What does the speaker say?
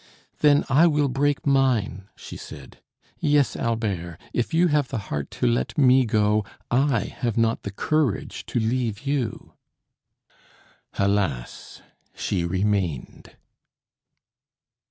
"Then, I will break mine," she said. "Yes, Albert; if you have the heart to let me go, I have not the courage to leave you." Alas, she remained!